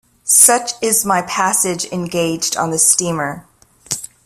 Such is my passage engaged on the steamer.